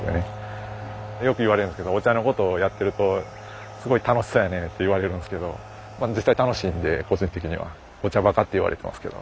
よく言われるんですけどお茶のことをやってるとすごい楽しそうやねって言われるんですけど実際楽しいんで個人的には。お茶バカって言われてますけど。